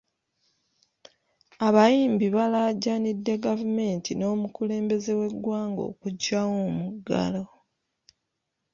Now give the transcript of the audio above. Abayimbi balaajanidde gavumeenti n’omukulembeze w’eggwanga okugyawo omuggalo.